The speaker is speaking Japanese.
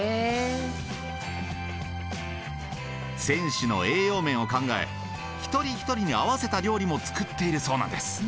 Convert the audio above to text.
選手の栄養面を考え一人一人に合わせた料理も作っているそうなんです。